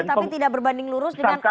tapi tidak berbanding lurus dengan